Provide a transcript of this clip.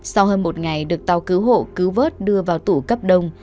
sau hơn một ngày được tàu cứu hộ cứu vớt đưa vào tủ cấp đông